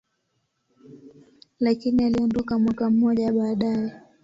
lakini aliondoka mwaka mmoja baadaye.